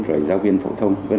rồi giáo viên phổ thông